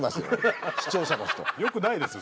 よくないですよ。